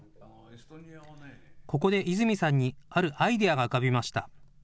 ここで泉さんにあるアイデアが浮かびました。